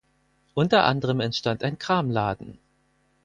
Unter anderem entstand ein Kramladen.